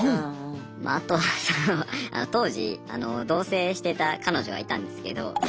あとはその当時同せいしてた彼女がいたんですけど。